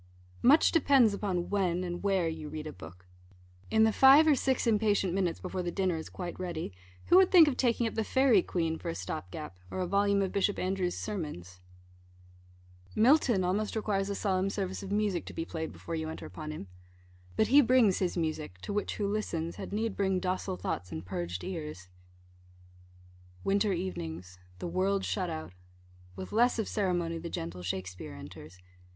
Much depends upon when and where you read a book. In the five or six impatient minutes, before the dinner is quite ready, who would think of taking up the Fairy Queen for a stop gap, or a volume of Bishop Andrewes' sermons? Milton almost requires a solemn service of music to be played before you enter upon him. But he brings his music, to which, who listens, had need bring docile thoughts, and purged ears. Winter evenings the world shut out with less of ceremony the gentle Shakspeare enters.